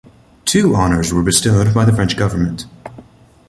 Two honors were bestowed by the French government.